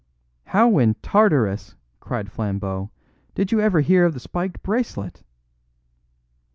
"How in Tartarus," cried Flambeau, "did you ever hear of the spiked bracelet?"